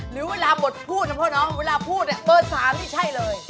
หรือเวลาบทพูดนะพ่อน้องเวลาพูดเนี่ยเบอร์๓นี่ใช่เลย